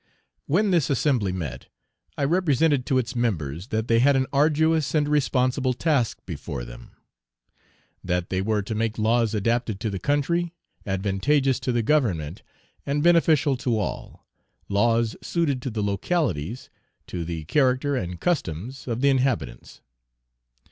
When this assembly met, I represented to its members that they had an arduous and responsible task before them; that they were to make laws adapted to the country, advantageous to the Government, and beneficial to all, laws suited to the localities, to the character and customs of the inhabitants.